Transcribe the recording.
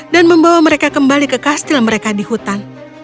dan membawa mereka kembali ke kastil mereka di hutan